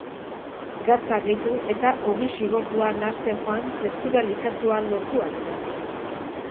Gatza gehitu eta ogi xigortua nahasten joan testura likatsua lortu arte.